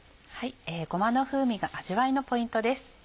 ごまの風味が味わいのポイントです。